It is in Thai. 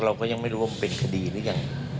เราก็ยังไม่รู้ว่ามันเป็นคดีหรือยัง